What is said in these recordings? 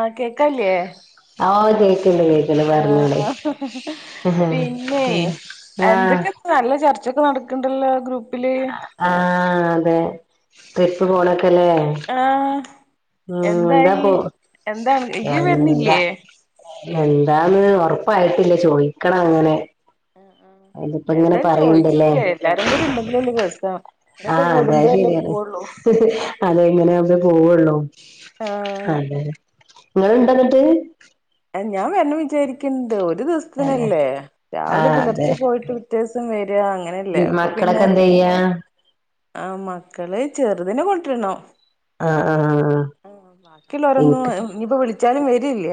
ആ കേക്കണില്ലിയെ ആഹ് കേക്ക്ണ്ട് കേക്ക് ആ പിന്നെ ആഹ് എന്തൊക്കെ നല്ല ചർച്ചൊക്കെ നടക്കുന്നുണ്ടല്ലോ ഗ്രൂപ് ആഹ് അതെ ട്രിപ്പ് പോണക്കെല്ലേ ആഹ് ഉം എന്താ എന്തായി പോ എന്താണ് ഇയ്യ് എന്താ വരുന്നില്ലേ എന്താന്ന് ഒറപ്പായിട്ടില്ല ചോദിക്കണം അങ്ങനെ ആ ആ അതിപ്പോ ഇങ്ങനെ എന്തായാലും ചോദിച്ച് പറയ്ണ്ടല്ലേ നോക്ക് എല്ലാരു കൂടി ഇണ്ടെങ്കിലല്ലേ രസം ഇങ്ങനൊക്കെ ആഹ് അത് കൂടുമ്പോഴല്ലേ ശരിയാണ് പോവുള്ളൂ അത് അങ്ങനെ ഒക്കെ പോവുള്ളൂ ആഹ് അതെ ഇങ്ങള് ഒണ്ടോ എന്നിട്ട് ഞാൻ വരണോ വിചാരിക്കുന്നുണ്ട് ഒരു ദെവസ തന്നെ ത്തിനല്ലേ രാവിലെ ആഹ് അതെ പുലർച്ചെ പോയിട്ട് വ്യത്യാസം വരിയാ അങ്ങനെല്ലേ അപ്പൊ പിന്നെ- യാ [unintelligible] ആഹ് മക്കള് ചെറുതിനെ കൊണ്ട്‌ വരണം ആഹ് ആഹ് ആഹ് ബാക്കിയുള്ളോരോന്നും ഇൻക്ക് ഇനിയിപ്പോ വിളിച്ചാലും വരില്ല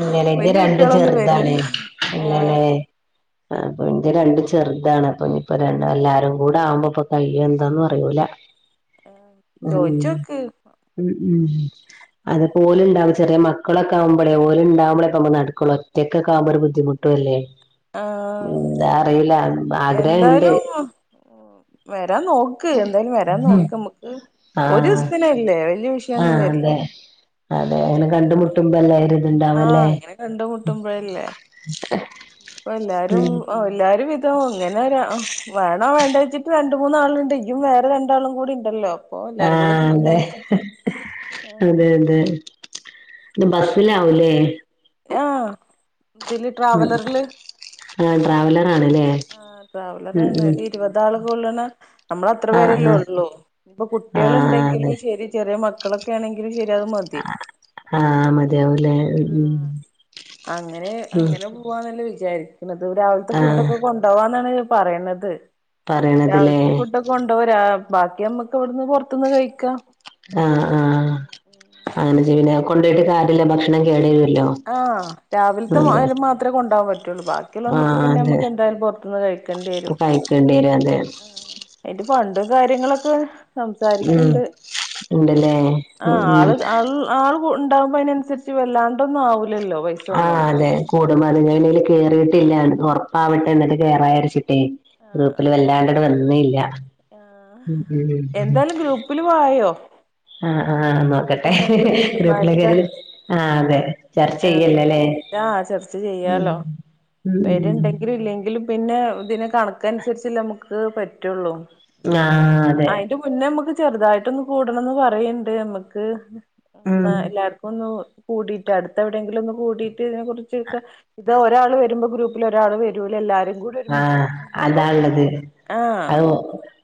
ഇല്ലലേ എന്റെ വല്യ രണ്ടും കുട്ടികളൊന്നും ചെറുതാണെ വരില്ലല്ലോ ഇല്ലലേ ആഹ് അപ്പൊ ഇനിന്റെ രണ്ട് ചെറുതാണ് ഇപ്പൊ ഇയിൻ്റെ രണ്ട് ഇനിപ്പോ രണ്ട് എല്ലാരും കൂടെ ആവുമ്പോ ഇനീയിപ്പം കഴിയോ എന്താന്നു അറിയൂല എഏ [unintelligible] ഉം ഉം ഉം ഉം അതുപോലെ ഇണ്ടാവും ചെറിയ മക്കളൊക്കെ ആവുമ്പളെ ഓല് ഇണ്ടാവുമ്പളൊക്കെ നടക്കുള്ളു ഒറ്റക്ക് ഒക്കെ ആവുമ്പോ ഒരു ബുദ്ധിമുട്ടല്ലേ ആഹ് എന്താ അറിയൂല ആഗ്രഹയുണ്ട് വരാ നോക്ക് ക്ക് എന്തായാലും വരാൻ നോക്ക് നമ്മക്ക് ഒരു ആഹ് ദിവസത്തിനല്ലേ വല്ല്യ ആഹ് വിഷയൊന്നും വരില്ല അതെ അതെ അങ്ങനെ കണ്ടുമുട്ടുമ്പ എല്ലാരും ഇതുണ്ടാവില്ലേ ആഹ് ഇങ്ങനെ ഇപ്പ എല്ലാരും എല്ലാരും വിധ [unintelligible] ഇങ്ങനെ ഒരാ വേണെ വേണ്ടെ വെച്ചിട്ട് രണ്ട് മൂന്നാൾണ്ട് ഇയും വേറെ രണ്ടാളും കൂടി ഇണ്ടല്ലോ ആഹ അതെ ഹ് ഹ് ആഹ് അതെ അതെ ഇത് ബസ്സില് ആവൂല്ലേ യാ ഇതില് ട്രാവലറില് ആ ട്രാവലറാണ്ല്ലേ ആ ട്രാവലർറണ ഒരു ഇരുവത് ആള് കൊള്ള്ന്ന നമ്മള് അത്ര ആഹ് പേര്ല്ലേ ആഹ് ഉള്ളൂ ഇപ്പ കുട്ടിയാൾ ആഹ് അതെ ഇണ്ടെങ്കിലും ശരി ചെറിയ മക്കളൊക്കെ ആണെങ്കിലും ശരി അത് മതി ആഹ ആഹ് മതിയാവുലേ ആഹ് മ് അങ്ങനെ അങ്ങനെ പോവന്നല്ലെ വിചാരിക്ക്ണത് രാവില്ത്തെ ഫുഡ് ആഹ് ഒക്കെ കൊണ്ട് [unintelligible] പറയ്ന്നത് പറയണതിലേ രാവിലത്തെ ഫുഡ് കൊണ്ടെവരാ ബാക്കി നമ്മക്ക് എവ്ട്ന്ന് പെറ്ത്ത്ന്ന് കഴിക്കാം ആഹ് ആഹ് അങ്ങനെ ജെയുംലെ കൊണ്ടയിട്ട് കാരിയല്ല ഭക്ഷണം കേടരെല്ലോ ആഹ രാവിലത്തെ അയിൻ മാത്രമേ കൊണ്ടെവാൻ പറ്റുള്ളൂ ബാക്ക ബക്കിലൊന്നൊക്ക് ആഹ് അതെ പിന്നെനമ്ക്ക് എന്തായാലും പുറ്ത്ത്ന്ന് കഴിക്കേട്യരും [unintelligible] അതിൻ്റപണ്ട് കാര്യങ്ങളൊക്കെ ഉം സംസാരിക്ക്ണ്ട് ഉണ്ടല്ലേ അപ്പൊ ആ ഉം ഉം ആള് ആൾ ആൾ കുഇണ്ടാവുമ്പോ അതിനനുസരിച്ച് വല്ലാണ്ടന്നും ആവുല്ലല്ലോ പൈസൊന്നും ഒട്മലന്നണിയിൽ കേറിയിട്ടില്ലഞ ഉറപ്പാവട്ടെ എന്നിട്ട് കേറയ്ച്ച ടി ആഹ് ഗ്രൂപ്പിൽ ആഹ് വല്ലാണ്ട്ന്ന് വന്നില്ല മ് മ് ഗ്രൂപ്പിൽവായോ ആ ആഹ് നോക്കട്ടെ ഗ്രുപ്പിൽആ തീരുമാനിക്കാ അതെ ചർച്ച ചെയ്യല്ലല്ലേ ആചർച്ച ഉം ചെയ്യാലോ ഉം ഉം പേരുണ്ടെങ്കിലും ഇല്ലെങ്കിലും പിന്നെ ഇതിനെ കണക്ക് അന്സരിച്ച് അല്ലെ നമുക്ക് പറ്റുള്ളൂ ആഹ അതെ ഒന്ന് നമ്മുക്ക് ചെറുതായിട്ടൊന്ന് കൂടണംന്ന് പറയണ്ട് നമക്ക് ഉം എല്ലാക്കു ഒന്ന് കൂടിയിട്ട് അടുത്ത് എവിടെങ്കിലും ഒന്ന് കൂടിട്ട് തിനെ കുറിച്ച്ക്കെ ഇത് ഒരാൾ വരുമ്പോ ഗ്രൂപ്പ് ഗ്രൂപ്പ് ഒരാള് വരൂല എല്ലാരും കൂടി ഒരുമിച്ച് ആഹ് കിട്ട്ണ്ണ്ണ്ടോ അതാള്ളത് ആ അത്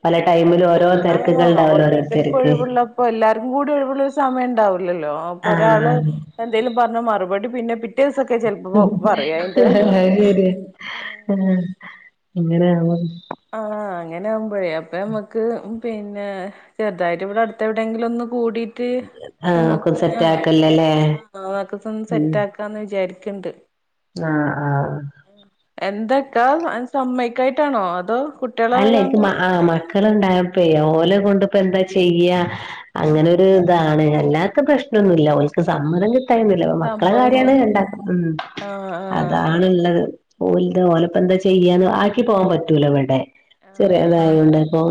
പല ടൈമിൽ ഓരോര് ആഹ് ഓരോരുത്തർക്ക്ഒഴിവ്ള്ള അപ്പൊ എല്ലാർക്കും കൂടി ഒയിവുള്ള ഒരു സമയം ഉണ്ടാവുല്ലല്ലോ അപ്പൊ ഒരാള് ആഹ് എന്തേലു പറഞ്ഞ മറുപടി പിന്നെ പി ഹ് ഹ്ഹ്ഹ അശരിയ ആഹ് ഹെ ഇങ്ങനെ ആണ് ആഹ അങ്ങനെ ആകുമ്പോയെ അപ്പൊ നമ്മുക്ക് പിന്നെ ചെറുതായിട്ട് ഇവിടെ അടുത്തെ എവിടെങ്കിലും ഒന്ന് കൂടി റ്റ് ആഹ് ഒക്കെ നമ്മുക്ക് സെറ്റ് ആഹ് ആക്കല്ലല്ലേ ആഹ് ആൻക്കപ്പം ഉം സെറ്റ് ആക്കാന്ന് വിചാരിക്കണ്ട് ആഹ് ആഹ് എന്തക്കാ അൻ സമ്മയ്ക്കായിട്ടാണോ അതോ കു അല്ല ഇനിക്ക് ആഹ് മക്കളുണ്ടായ പ്പേ ഓലെ കൊണ്ട്പ്പ എന്താ ചെയ്യാ ആഹ് അങ്ങനെ ഒരു ഇതാണ് എല്ലാർക്കും പ്രശ്നോന്നുല്ല ഓൾക്ക് സമ്മതം കി ടൈമിലോ മക്കള സമ്മതം കാര്യാണ് ഒന്നും ണ്ടാക്ക ഉം ആഹ് ആഹ് അതാണ് ഇള്ളത് ഓല്ത ഓലപ്പന്താ ചെയ്യാന്ന് ആക്കി പോവാൻ പറ്റൂല ഇവിടെ ആഹ് ആഹ് ചെറിയതായതോണ്ട് അപ്പൊ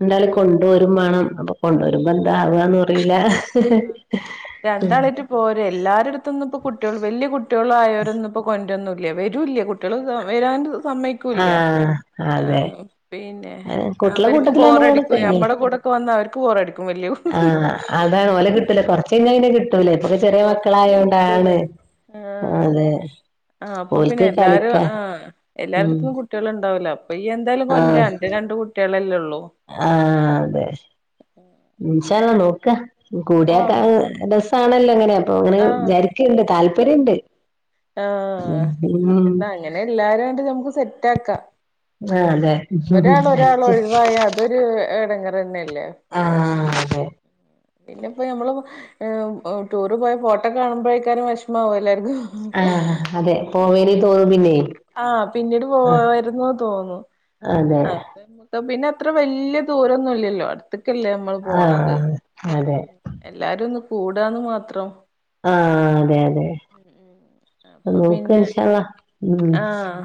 എന്തായാല് അപ്പൊ കൊണ്ടുവരുമ്പാണം അപ്പൊ കൊണ്ടുവരുമ്പോ എന്താ ആവുകാന്ന് അറിയൂല്ല ആഹ് ഹ്ഹ് രണ്ടാളായിട്ട് പോരെ എല്ലാരടുത്തുന്ന് ഇപെ കുട്ടിയൾ വലിയ കുട്ടിയാളയെരെന്നു ഇപ്പോ കൊണ്ടന്നു വരുല്ല കുട്ടിയാളെനും വരാൻ സമ്മയിക്കുല്ല ആഹ അതെ പിന്നെ കുട്ടികളെ അവരിക്ക് കൂട്ടത്തിലാവുമ്പോ ബോറടിക്കുവേ കഴിഞ്ഞു ഞമ്മടെ കൂടൊക്ക വന്നാ അവർക്ക് ബോറടിക്കും വല്യവ് ആഹ് അതാണ് ഓല് കിട്ടില്ല കൊറച്ചയിഞ്ഞാ അത് കിട്ടും ട്ടൂലെ ഇപ്പൊക്കെ ആഹ് ചെറിയ കൊറച്ച് കിട്ടൂല മക്കളായോണ്ടാണ് അതെ ആ അപ്പൊ പിന്നെ ഓൽക്ക് എല്ലാരും കളിക്കാ ആഹ് ഉം എല്ലാര്ത്തും കു കുട്ടികള് ഇണ്ടാവില്ല അപ്പൊ ഇയ്യ് എന്തായാലും കൊണ്ട്രാ അന്റെ രണ്ട് കുട്ടിയളല്ലേ ഒള്ളൂ ആ അതെ ഇൻശാ അള്ളാ നോക്ക കൂടിയ കാ ആഹ് രസാണല്ലോങ്ങനെ ങ്ങനെ ആഹ് വിചാരിക്ക്‌ണ്ട് താല്പര്യണ്ട് ആഹ് ഉം എന്നാ അങ്ങനെ എല്ലാരാണ്ട് നമുക്ക് സെറ്റാക്കാ ആ അതെ ഒരാള് ഒരാള് അടിച്ച് ഒഴുവായാ അതൊരു എടങ്ങെറന്നല്ലേ ആ അതെ പിന്നെ ഇപ്പോ ഞമ്മള് ടൂറ് പോയ ഫോട്ടോക്ക കാണുമ്പഴേക്കാരം വെഷ്മാവാ എല്ലാര്ക്കും ആഹ് അതെ പോവേനി തോന്നും പിന്നെ ആ പിന്നീട് ആ പോവേരുന്നു തോന്നും അതെ അപ്പ പിന്നെ അത്ര വല്യ ദൂരൊന്നുല്ലല്ലോ അട്ത്ത്ക്കല്ലേ മ്മള് ആ പോണത് അതെ എല്ലാരു ഒന്ന് കൂടാന്ന് മാത്രം ആ അതെ അതെ അപ്പൊ നോക്ക പിന്നെ ഇൻഷാ അള്ളാ ഉം ആഹ്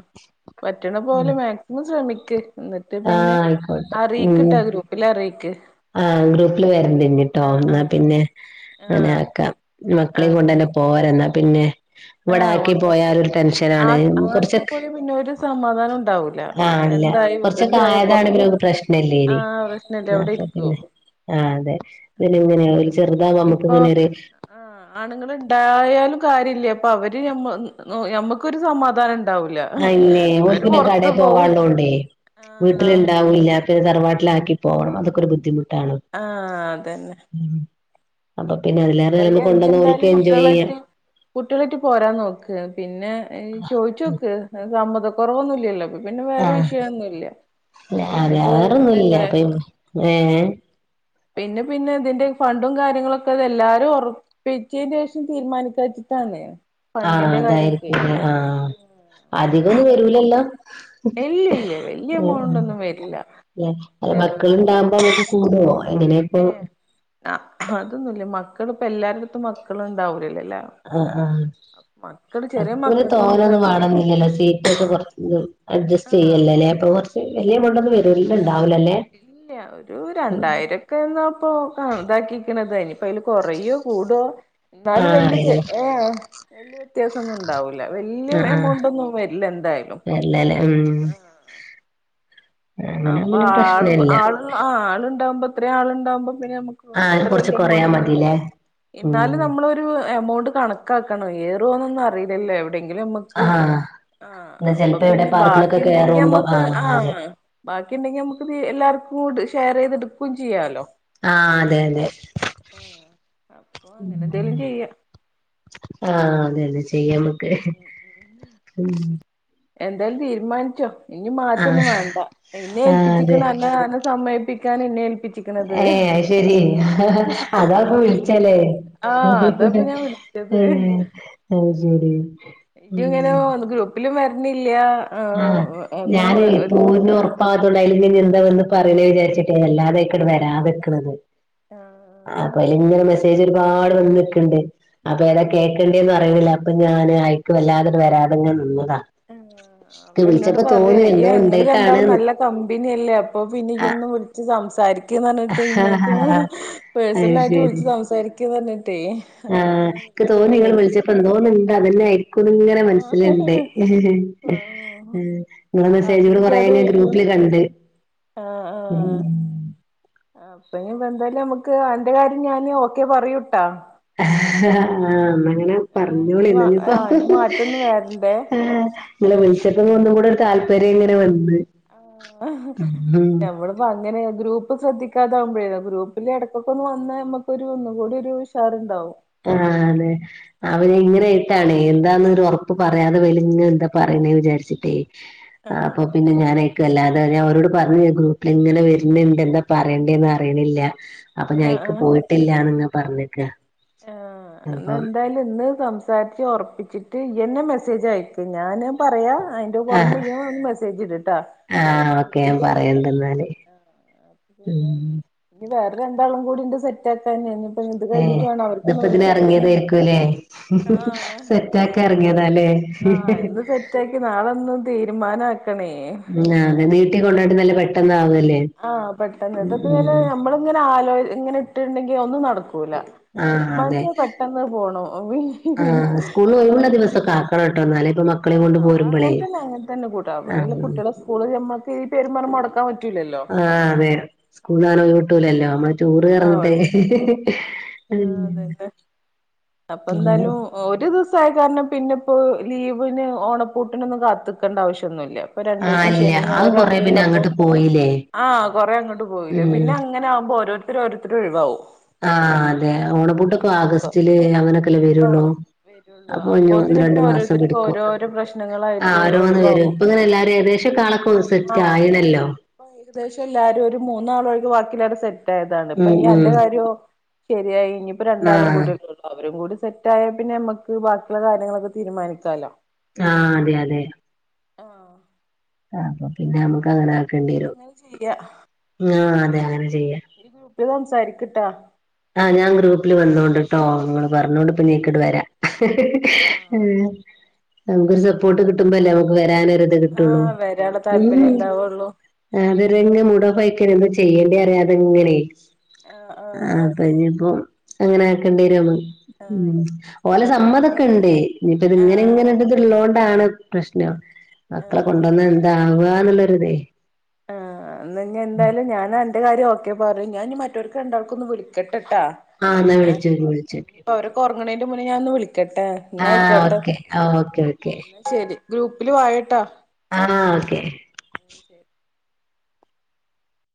പറ്റ്ണ പോലെ മാക്സിമം ശ്രമിക്ക് ന്നട്ട് ആ പിന്നെ ആയിക്കോട്ടെ ഉം അറീക്ക്‌ട്ട ഗ്രൂപ്പില് അറീക്ക് ആ ഗ്രൂപ്പില് വര്ന്റ്ഞ്ട്ടോ ന്നാ പിന്നെ അങ്ങനെ ആഹ് ആക്കാ മക്കളീം ആഹ് കൊണ്ട പോര ന്നാ പിന്നെ ഇവടെ ആഹ് ആക്കി ഒക്കെ പോയാലൊരു ആ ടെൻഷനാണ് ആക്കി കൊർച്ചൊക്കെ പോയി പിന്നെ ഒരു സമാധാനം ഉണ്ടാവൂ ലാ ഇല്ല എന്തായി കുറച്ചൊക്കെ വികൃതിയായ ആയതാണ് പൊർത്തു പിന്നെ ആ പ്രശ്നല്ലേനി പ്രശ്നല്ല അവടെ ഇരിക്കു ആ അതെ [unintelligible] ചെർതായ അമ്മക്കുന്നന്നെര് ആ ആണുങ്ങള് ഇണ്ടായാലും കാര്യല്ല അപ്പൊ അവര് ഞമ്മ ഞമ്മക്കൊരു സമാധാന അല്ലേ ഓര്ക്ക് പിന്ന കടേ പോവും പോവാള്ളോണ്ടേ വീട്ടില് ആഹ് ഇണ്ടാവില്ല പിന്ന തറവാട്ടിലാക്കി പോണം അതൊക്കൊരു ബുദ്ധിമുട്ടാണ് ആ അതന്നെ അപ്പൊ പിന്നെ അതിലേറ അപ്പൊ ഞമ്മക്ക് കൊണ്ടന്ന ഓൽക്ക്‌ എൻജോയയ്യാ കുട്ടിയളായിറ്റ് പോരാൻ നോക്ക് പിന്നെ ചോയ്ച്ചോക്ക് സമ്മതകുറവൊന്നുല്ലല്ലോ അപ്പ പിന്നെ വേറെ ആഹ് വിഷയൊന്നുല്ല പിന്നെപ്പോ തല്ലേ ഏ പിന്നെ പിന്നെ ഇതിന്റെ ഫണ്ടും കാര്യങ്ങളൊക്കെതെ എല്ലാരു ഒർ പിറ്റേന്റെഷം തീര്മാനിക്കാച്ച്ട്ടാണ് ആ അതായിരിക്കും ആഹ് അധിക ഒന്നും വരൂലല്ലോ ഇല്ല ല്ല വല്ല്യ ഉം എമൗണ്ട് ഒന്നും വരില്ല ചെ പിള്ളേര്ണ്ടാവുമ്പോ നമുക്ക് കൂടോ എങ്ങനെ ഇപ്പോ ആ അതൊന്നുല്ല മക്കള്പ്പ എല്ലാരട്ത്തും മക്കള് ഇണ്ടാവുലല്ലോ ആ ആഹ് [unintelligible] പിന്നെ മക്കൾക്കൊന്നും ഇപ്പ തോനൊന്നും വാണന്നില്ലല്ലോ സീറ്റൊക്കെ കൊർച്ച് അഡ്ജസ്റ്റ് ആ ചെയ്യല്ല ലെ അപ്പം കൊർ വല്ല്യ എമൗണ്ട് ഒന്നും ആ വര്ല്ണ്ടാവുല ലെ ക്കെ എന്നൊ പ്പൊ [unintelligible] താക്കിക്ക്‌ണതേ ഇഞ്ഞിപ്പം അയില് കൊറയോ കൂടോ ന്നാലും ആഹ് വല്ല്യ ചെ അറിയില്ല ഏഹ് വ്യത്യാസം ഒന്നും ഉണ്ടാവൂല വല്ല്യ എമൗണ്ട് ഒന്നും വര്ല്ല എന്തായാലും ഇല്ല ലെ ഉം അങ്ങനെ അപ്പൊ പിന്നെ ആള് പ്രശ്നല്ല ആള് ആ ആള്ണ്ടാവുമ്പോ ഇത്രെ ആളുണ്ടാവുമ്പോ പിന്നെ നമുക്ക് ആഹ് അത്ര കൊറച്ച് വല്യ കൊറയാ എമൗണ്ട് ഒന്നും വ മതില്ലേ ഉം എന്നാല് നമ്മളൊരു എമൗണ്ട് കണ ക്കാക്കണോ ഏറോന്നൊന്നും അറീലല്ലോ എവ് എവിടെങ്കിലു നമ്മക്ക് ആഹ് ആ എന്നാ അപ്പൊ ചെലപ്പോ എവിടെ പിന്നെ ബാക്കി പാർക്കിലൊക്കെ ഇണ്ടെങ്കി കേറുമ്പോ നമ്മക്ക് അതെ ആഹ് ബാക്കി ഇണ്ടെങ്കി നമുക്ക്‌ എല്ലാർക്കു ഷെയറേയ്തെടുക്കും ചെയ്യാലോ ആ അതെ അതെ ആഹ് അപ്പൊ അങ്ങനെ എന്തേലും ചെയ്യാ ആ അതെ അതെ ചെയ്യാമ്മക്ക് ഉം ഉം എന്തേലും തീര്മാൻച്ചോ ഇഞ് മാറ്റൊന്നും ആഹ് വേണ്ട ഇന്നെ ആഹ് അതെ ഏൽപ്പിച്ചിക്ക്‌ണ് അന്നെ അന്നെ സമയിപ്പി ഞാൻ നിന്നെ ഏല്പിച്ച് ഏഹ് ആയിശരി അതാപ്പ വിളിച്ചല്ലേ? ആഹ് അതാപ്പൊ ഞാൻ വിളിച്ചത് ഉം അയ്ശരി ഇത് ഇങ്ങനെ ഗ്രൂപ്പിലും വരണില്ല്യാ ആഹ് ഞാന് പോവുന്നത് ഉറപ്പാത്തോണ്ട ആയിൽ എന്താ വന്ന് പറയാ വിചാരിച്ചിട്ടേ അല്ലാതെ വരാതെ നിക്ന്നത് ആഹ് അപ്പൊ അല്ല ഇങ്ങനെ മെസ്സേജ് ഒരുപാട് വന്ന്നിക്കണ്ട് അപ്പൊ ഏതാ ആഹ് കേൾക്കണ്ടേന്ന് അറിയൂല്ല അപ്പൊ ഞാൻ അയക്ക് വല്ലാതെ വരാതെ അങ്ങനെ നിന്നത ആഹ് അപ്പൊ എന്നോട് പറയാ എന്തോ ഇയ ഇങ്ങൾ രണ്ടാളും ഉണ്ടായിട്ടാണ്ന്ന് നല്ല കമ്പനിയല്ലേ അപ്പൊ പിന്നെ ഈ ഒന്ന് വിളിച്ച് സംസാരി സതൃം പറഞ്ഞിട്ട് ഇന്നേക്ക് ആഹ് മൂന്ന് അത് പേഴ്സണലായിട്ട് ശരി വിളിച്ച് സംസാരിക്കൂന്ന് പറഞ്ഞിട്ടേ ആഹ് അതാ ഇക്ക് ഞാൻവിളിച്ച് തോന്നി നിങ്ങൾ നോക്കിയത് വിളിച്ചപ്പോ എന്തോന്നുണ്ട് അതന്നേ ങ്ങനെ ആഹ് മനസ്സിലുണ്ട് ആഹ് ഇങ്ങളെ മെസ്സേജുകള് കൊറേ [unintelligible] പതിവില്ലാതെ വിളിക്കും [unintelligible] രണ്ട് ആഹ് ആഹ്. അപ്പ ഇനി എന്തായാലും നമുക്ക് അന്റെ കാര്യം ഞാൻ ഇനി ഓക്കെ പറയൂട്ടൊ ആഹ് ഇന്നങ്ങനെ ഏഹ് പറഞ്ഞോളി ഇനി എന്നാഞ്ഞിപ്പൊ ആഹ് ഇനി മാറ്റൊന്നും വരണ്ടേ ആ ഇങ്ങളെ വിളിച്ചപ്പൊ ഒന്നുകൂടെയൊരു താല്പര്യമിങ്ങനെ വന്ന്. ആഹ് ഉം ഞമ്മള് അപ്പൊ അങ്ങനെ ഗ്രൂപ്പ് ശ്രദ്ധിക്കാതാവുമ്പഴേ ഗ്രൂപ്പില് എടക്കൊക്കെ ഒന്ന് വന്ന് ഞമ്മക്കൊരു ഒന്നുംകൂടി ഒരു ഉ ഷാറ്ണ്ടാവും. ആഹ് ലെ അവര് ഇങ്ങനേയിട്ടാണെ, എന്താന്ന് ഒര് ഒറപ്പ് പറയാതെപ്പൊ അയില് ഇങ്ങനെ എന്താ പറയണേ വിചാരിച്ച്ട്ടേ. ആഹ് അപ്പൊ പിന്നെ ഞാനൈ നല്ലാതെ ഞാൻ ഓരോട് പർഞ്ഞ്‌ ഗ്രൂപ്പിലിങ്ങനെ വര്ന്ന്ണ്ട് എന്താ പറേണ്ടേന്ന് അറിണില്ല അപ്പ ഞാ ആഹ് അയിക്ക് ആഹ് ആഹ് പോയിട്ടില്ലാന്നങ്ങ് പറഞ്ഞക്ക. ആഹ് ഇന്നെന്തായാലും ഇന്ന് സംസാരിച്ച് ഒറപ്പിച്ചിട്ട് ഇയ്യെന്നെ മെസേജ് അയക്ക് ഞാന് പറയാ അ യിന് ആഹ് പൊറമേ ഇയ്യോന്ന് മെസ്സേജ് ഇട് ട്ടാ ആഹ് ഓക്കെ ഞാൻ ഗ്രൂപ്പില് പറയണ്ടിന്നാല് ആഹ് അത്പിന്നെ ഉം ഇനി വേറെ രണ്ടാളും കൂടിണ്ട് സെറ്റാക്കാന് ഇന്നിപ്പെഞ്ഞി ഇത് കഴിഞ്ഞി ട്ട് ഏഹ് വേണം അവർക്കൊന്ന് ഇതിപ്പോ വിളിക്കാന് ഇതിനെറങ്ങിയതായിരിക്കൂല്ലേ ആഹ് സെറ്റാക്കാൻ എറങ്ങിയതാല്ലേ ആഹ് ഇന്ന് സെ റ്റാക്കി നാളൊന്നു തീരുമാനാക്കണേ. ഉം ആഹ് പിന്നെ അതെ നീട്ടി കൊണ്ടോണെക്കാട്ടിം നല്ലെ പെട്ടന്നാവല്ലേ. ആഹ് പെട്ടെന്ന് ഇത്പ്പങ്ങനെ നമ്മള്ങ്ങനെ ആലോ ഇങ്ങനെട്ടിണ്ടെങ്കി ഒന്നും നടക്കൂല. ആഹ് അതെ തീര്മാൻച്ച പെട്ടെന്ന് പോണോം പിന്നെ ആഹ് സ്കൂളിൽ ഒഴിവുള്ള അത് പി ദിവസൊക്കെ ആക്കണം ട്ടോ എന്നാലേ ഇപ്പൊ മക്കളെയും കൊണ്ട് ആഹ് പോരുമ്പളേ അങ്ങൻ തന്നെ അങ്ങൻ തന്നെ കൂട്ടാ പിന്നെള്ളെ ആഹ് കുട്ട്യാളെ സ്കൂള് ഞമ്മക്ക് ഈ പേരും പറഞ് മൊട്ക്കാൻ പറ്റൂല്ലല്ലോ. ആഹ് അതെ സ്കൂൾ ആനോട്ടൂലല്ലോ നമ്മ ടൂറ് കറന്നിട്ടെ ആ അതന്നെ അപ്പൊ എന്താലും ഒരു ദിവസ ആ കാരണം പിന്നെ ഇപ്പോ ലീവിന് ഓണപ്പൂട്ടിനൊന്നും കാത്തിക്കേണ്ട ആവശ്യോന്നുല്ല. അപ്പൊ രണ്ടു ആഹ് ദിവസം ഇല്ല ശനി അത് ഞായരും കൊറേ പിന്നെ അവധില്ലേപ്പോ അങ്ങട്ട് പോയില്ലേ ആഹ് കൊറെ അങ്ങോട്ട് പോയില്ലേ ഉം പിന്നെ അങ്ങനെ ആകുമ്പോ ഓരോര് രോരുത്തരു ഒഴിവാവും. ആഹ് അതെ ഓണപ്പുട്ടൊക്കെ ആഗസ്റ്റില് അങ്ങനൊക്കെല്ലേ വരുള്ളൂ? ആഹ് വരുള്ളൂ അപ്പൊ ഒ ഒന്ന് അപ്പോത്തിന് രണ്ട് പിന്നെ മാസം ഓരോരുത്തർക്കും പിടിക്കും ഓരോരോ ആ പ്രശ്നങ്ങളായിട്ട് അറുമൂന്ന് പേരും ഒഴിവാവും പ്പങ്ങനേ എല്ല വാരുംഏകദേശ ആഹ് കണക് പ്പൊന്ന് ആഹ് സെറ്റായിണല്ലോ. ഇപ്പൊ ഏകദേശം എല്ലാരും ഒരു മൂന്നാളൊഴുവാക്കി എല്ലാരും സെ തായതാണ് ഇപ്പ ഉം ഇനി ഉം ന്റെ കാര്യോ ശരിയായി ഇനിയിപ്പോ രണ്ടാളും ആഹ് കൂടിയള്ളൂ. അവരും കൂടി സെറ്റ ആയൽ പിന്നെ നമ്മക്ക് ബാക്കിയുള്ള കാര്യങ്ങളൊക്കെ തീരുമാനിക്കാല്ലോ? ആഹ് അതെ അതെ. ആഹ് അപ്പൊ പിന്നെ നമക്ക് ആഹ് അങ്ങനെ അപ്പ ആക്കേണ്ടി വരും അങ്ങനെ ചെയ്യാ ആ അതെ അങ്ങനെ ചെയ്യം. ഇ [unintelligible] ഗൂപ്പിൽ സാരിക്ക്ട്ടാ ആഹ് ഞാൻ ഗ്രൂപ്പിൽ വന്നോണ്ട് ട്ടോ നിങ്ങൾ പറഞ്ഞോണ്ട് ആഹ് ഇപ്പ ആഹ് നീക്കിടെ വരാ. ആഹ് ആഹ് നമുക്കൊരു സപ്പോർട്ട് കിട്ടുമ്പോല്ലേ നമുക്ക് വരാനൊരു ര്ത് കിട്ടുള്ളൂ ആഹ് വരാള്ള ഉം. താല്പര്യം ഇണ്ടാവൊള്ളൂ ആതെരങ്ങെ മുടോഫയക്കഴിമ്പോ ചെയ്യേണ്ടേ അറിയാതിങ്ങനേ ആഹ് അപ്പ ഇനിയിപ്പൊ അങ്ങനെ ആക്കേണ്ടി വരുമ്മം. ആഹ് ഉം ഓലെ ആഹ് സമ്മതൊക്കെ ഞൻ ഉണ്ടേ ഇനിപ്പ ഇത് ഇങ്ങനെ ആഹ് ഇങ്ങനെ ഇതി ള്ളൊതോണ്ടാണ് പ്രശ്നോ മക്കളെ ആഹ് കൊണ്ടുവന്ന എന്താവുകന്നുള്ളൊരിതേ? ആ എന്ന എന്തായാലും ഞാൻ എന്റെ കാര്യം ക്കെ ക്കെപറ ഞാൻ ഇനി മറ്റവർക്ക് രണ്ടാൾക്കൊന്ന് വിളിക്കട്ടെട്ടാ ആഹ് എന്നാ ഏഹ് വിളിച്ചോക്ക് വിളിച്ചോക്ക് ഇനിയിപ്പോ അവ കൊറങ്ങണേന്റെ മുന്നേ ഞാനൊന്ന് വിക്കട്ടെ ആഹ് ഓക്കെ ആ ഓക്കേ ഓക്കെ. ഇന്നാ ശരി ഗ്രൂപ്പില് വയേട്ടാ ആഹ് ഓക്കെ.